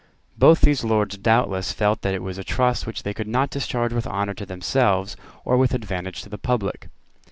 Both these Lords doubtless felt that it was a trust which they could not discharge with honour to themselves or with advantage to the public.